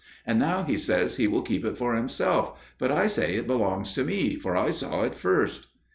And now he says he will keep it for himself, but I say it belongs to me, for I saw it first."